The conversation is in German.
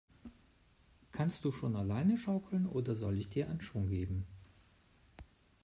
Kannst du schon alleine schaukeln, oder soll ich dir Anschwung geben?